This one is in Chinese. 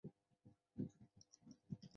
并在某些情况下用于保护农作物。